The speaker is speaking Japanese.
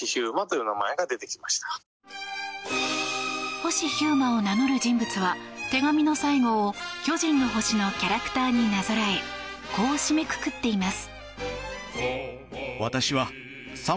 星飛雄馬を名乗る人物は手紙の最後を「巨人の星」のキャラクターになぞらえこう締めくくっています。